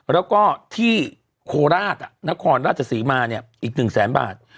แล้วก็ที่โคราชนครราชศรีมาเนี่ยอีก๑แสนบาท